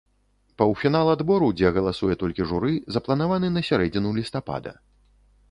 Паўфінал адбору, дзе галасуе толькі журы, запланаваны на сярэдзіну лістапада.